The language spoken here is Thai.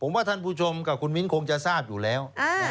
ผมว่าท่านผู้ชมกับคุณมิ้นคงจะทราบอยู่แล้ว